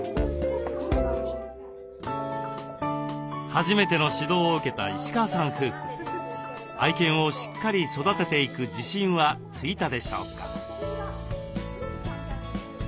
初めての指導を受けた石川さん夫婦愛犬をしっかり育てていく自信はついたでしょうか？